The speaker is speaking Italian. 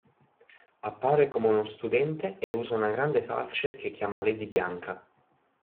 Appare come uno studente e usa una grande falce che chiama Lady Bianca.